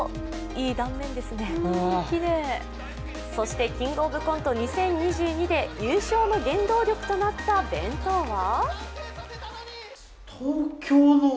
いい断面ですね、そして「キングオブコント２０２２」で優勝の原動力となった弁当は？